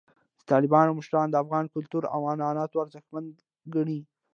د طالبانو مشران د افغان کلتور او عنعناتو ارزښتمن ګڼي.